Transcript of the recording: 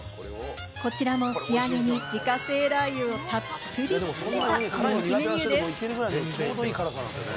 こちらも仕上げに自家製ラー油をたっぷりかけた人気メニューです。